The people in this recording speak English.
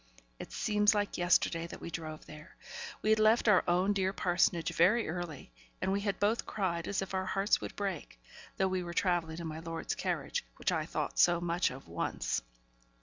It seems like yesterday that we drove there. We had left our own dear parsonage very early, and we had both cried as if our hearts would break, though we were travelling in my lord's carriage, which I thought so much of once.